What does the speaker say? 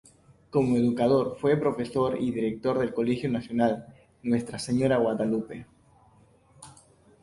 Como educador fue profesor y director del Colegio Nacional Nuestra Señora de Guadalupe.